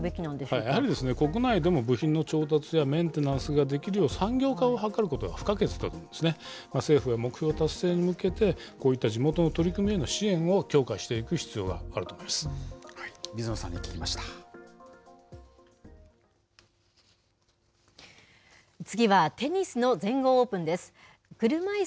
やはり国内でも部品の調達やメンテナンスができるよう、産業化を図ることが不可欠だと思うんですね、政府は目標達成に向けて、こうした支援を強化していく必要があると思います。